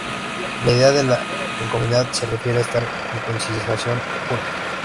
La idea de ecuanimidad se refiere a estar en concienciación pura.